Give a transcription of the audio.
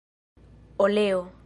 oleo